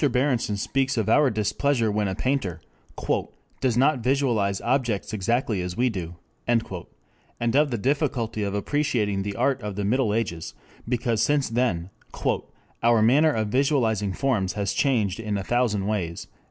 Berenson speaks of our displeasure when a painter "does not visualize objects exactly as we do," and of the difficulty of appreciating the art of the Middle Ages because since then "our manner of visualizing forms has changed in a thousand ways."